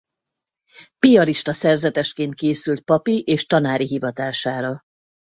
Piarista szerzetesként készült papi és tanári hivatására.